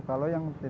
kalau yang dirantai